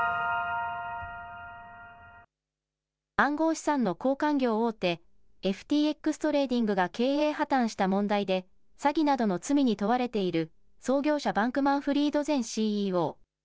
暗号資産の交換業大手、ＦＴＸトレーディングが経営破綻した問題で詐欺などの罪に問われている創業者、バンクマンフリード前ＣＥＯ。